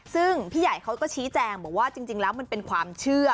ซึ่งพี่ใหญ่เขาก็ชี้แจงบอกว่าจริงแล้วมันเป็นความเชื่อ